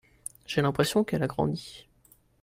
j'ai l'impression qu'elle a grandie.